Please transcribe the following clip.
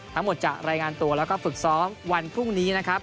ทั้งหมดจะรายงานตัวแล้วก็ฝึกซ้อมวันพรุ่งนี้นะครับ